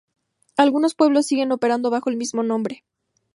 Algunos pueblos siguen operando bajo el mismo nombre